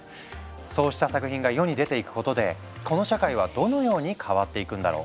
そうした作品が世に出ていくことでこの社会はどのように変わっていくんだろう？